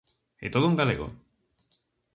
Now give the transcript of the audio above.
E todo en galego.